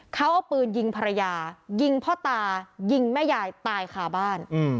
เขาเอาปืนยิงภรรยายิงพ่อตายิงแม่ยายตายคาบ้าน